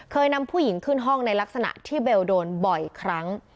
เคยนำผู้หญิงขึ้นห้องในลักษณะที่เบลโดนบ่อยครั้ง